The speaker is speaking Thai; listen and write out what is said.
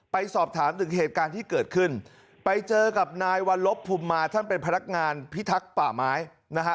ไปสอบถามถึงเหตุการณ์ที่เกิดขึ้นไปเจอกับนายวัลลบภูมิมาท่านเป็นพนักงานพิทักษ์ป่าไม้นะฮะ